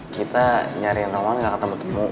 kita nyari roman gak ketemu temu